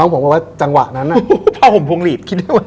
พี่จ๊ะคิดได้ไหม